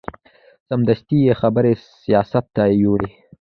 سمدستي یې خبرې سیاست ته یوړې.